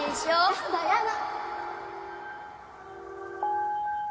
やだやだ！